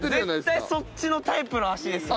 絶対そっちのタイプの足ですわ。